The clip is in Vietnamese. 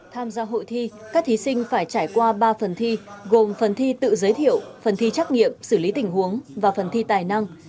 tham gia hội thi các thí sinh phải trải qua ba phần thi gồm phần thi tự giới thiệu phần thi trắc nghiệm xử lý tình huống và phần thi tài năng